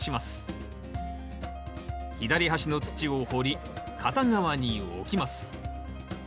左端の土を掘り片側に置きます。